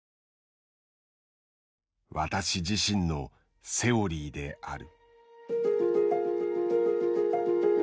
私自身のセオリーである」。